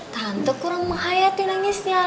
tante kurang menghayati nangisnya